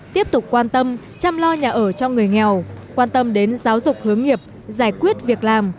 tiếp tục quan tâm chăm lo nhà ở cho người nghèo quan tâm đến giáo dục hướng nghiệp giải quyết việc làm